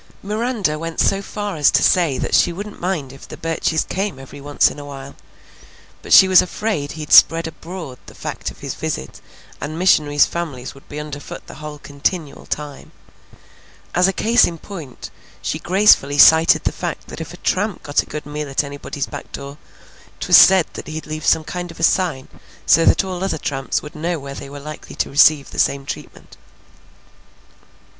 Miranda went so far as to say that she wouldn't mind if the Burches came every once in a while, but she was afraid he'd spread abroad the fact of his visit, and missionaries' families would be underfoot the whole continual time. As a case in point, she gracefully cited the fact that if a tramp got a good meal at anybody's back door, 't was said that he'd leave some kind of a sign so that all other tramps would know where they were likely to receive the same treatment.